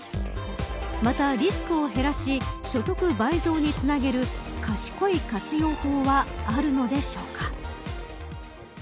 またリスクを減らし所得倍増につなげる賢い活用法はあるのでしょうか。